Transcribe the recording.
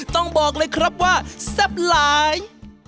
ต้องบอกเลยครับว่าแซ่บหลาย